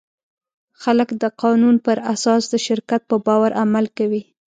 خلک د قانون پر اساس د شرکت په باور عمل کوي.